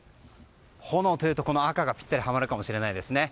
炎というと、この赤がぴったりとはまるかもしれないですね。